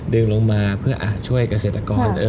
ลงมาเพื่อช่วยเกษตรกร